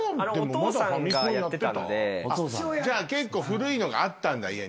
嘘⁉じゃあ結構古いのがあったんだ